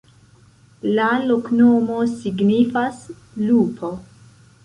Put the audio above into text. La loknomo signifas: lupo.